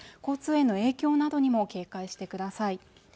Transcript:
交通への影響などにも警戒してください